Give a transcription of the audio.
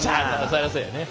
そりゃそうやね。